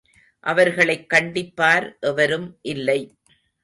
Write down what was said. அவர்களைக் கண்டிப்பார் எவரும் இல்லை.